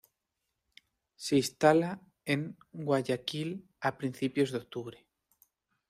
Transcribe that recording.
Se instala en Guayaquil a principios de octubre.